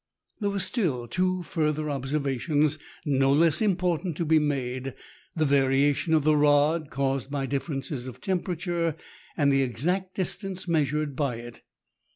There were still two further observations, no less impor tant, to be made : the variation of the rod caused by differences of temperature, and the exact distance measured by it.